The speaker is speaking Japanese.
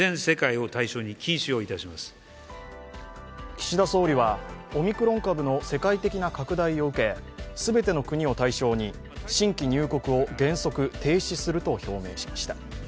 岸田総理はオミクロン株の世界的な拡大を受け全ての国を対象に新規入国を原則停止すると表明しました。